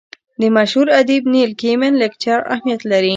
د مشهور ادیب نیل ګیمن لیکچر اهمیت لري.